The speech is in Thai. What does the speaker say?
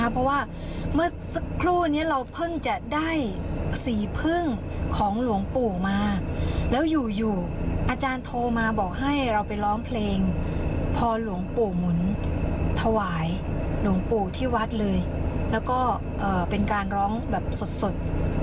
พี่อำพรมาบอกให้เราไปร้องเพลงพรหลวงปู่หมุนถวายหลวงปู่ที่วัดเลยแล้วก็เป็นการร้องแบบสด